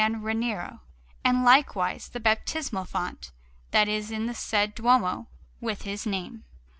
Ranieri, and likewise the baptismal font that is in the said Duomo, with his name.